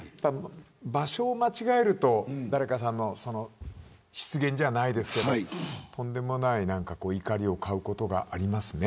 場所を間違えると誰かさんの失言じゃないですがとんでもない怒りを買うことがありますね。